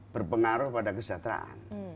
berpengaruh pada kesejahteraan